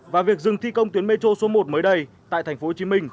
và việc dừng thi công tuyến metro số một mới đây tại tp hcm